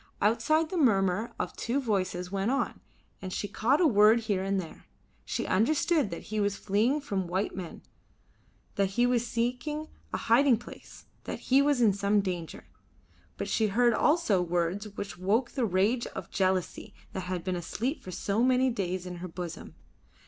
Outside the murmur of two voices went on, and she caught a word here and there. She understood that he was fleeing from white men, that he was seeking a hiding place, that he was in some danger. But she heard also words which woke the rage of jealousy that had been asleep for so many days in her bosom.